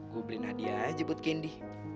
gue beliin hadiah aja buat candy